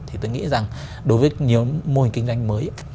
thì tôi nghĩ rằng đối với nhiều mô hình kinh doanh mới